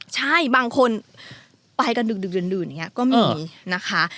ใช่บางคนไปกันดึกดื่นก็มีนะคะ